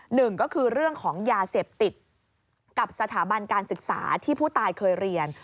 หนึ่งก็คือเรื่องของยาเสพติดกับสถาบันการศึกษาที่ผู้ตายเคยเรียน